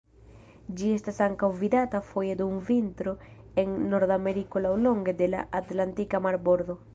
Ĝi estas ankaŭ vidata foje dum vintro en Nordameriko laŭlonge de la Atlantika Marbordo.